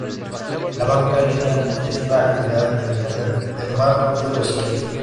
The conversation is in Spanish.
La banca en línea es la actividad en Internet de más rápido crecimiento.